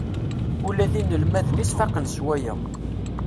Ula d inelmaden-is faqen s waya.